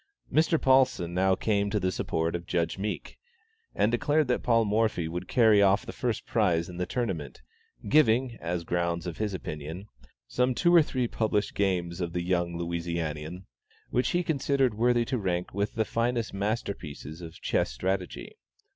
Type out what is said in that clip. Mr. Paulsen now came to the support of Judge Meek, and declared that Paul Morphy would carry off the first prize in the tournament; giving, as the grounds of his opinion, some two or three published games of the young Louisianian, which he considered worthy to rank with the finest master pieces of chess strategy.